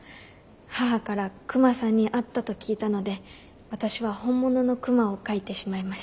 母から「クマさんに会った」と聞いたので私は本物のクマを描いてしまいました。